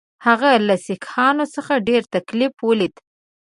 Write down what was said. هغه له سیکهانو څخه ډېر تکلیف ولید.